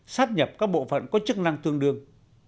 sát nhập các bộ phận có chức năng tương đương